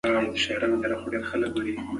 آیا ته غواړې چې له ما سره د سیند پر غاړه قدم ووهې؟